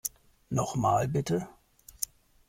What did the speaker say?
Noch mal, bitte.